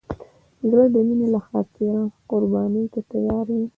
زړه د مینې له خاطره قرباني ته تیار وي.